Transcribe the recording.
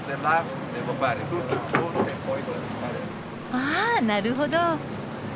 ああなるほど。